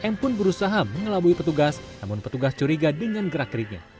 m pun berusaha mengelabui petugas namun petugas curiga dengan gerak geriknya